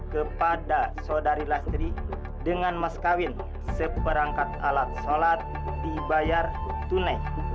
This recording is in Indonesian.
kepada saudari lastri dengan mas kawin seperangkat alat sholat dibayar tunai